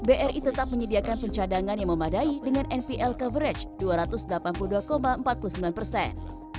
bri tetap menyediakan pencadangan yang memadai dengan npl coverage dua ratus delapan puluh dua empat puluh sembilan persen